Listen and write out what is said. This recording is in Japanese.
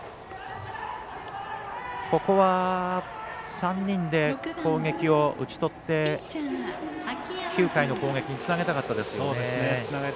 ここは３人で攻撃を打ち取って９回の攻撃につなぎたかったですよね。